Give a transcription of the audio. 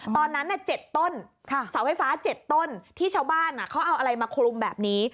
ตอนนั้น๗ต้นเสาไฟฟ้า๗ต้นที่ชาวบ้านเขาเอาอะไรมาคลุมแบบนี้